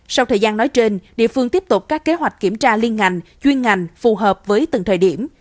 sau thời gian nói trên địa phương tiếp tục các kế hoạch kiểm tra liên ngành chuyên ngành phù hợp với từng thời điểm